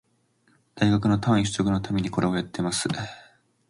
大学の単位取得のためにこれをやってます